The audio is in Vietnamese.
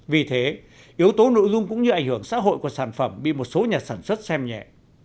vì thế yếu tố nội dung cũng như ảnh hưởng xã hội của sản phẩm bị một số nhà sản xuất xem nhẹ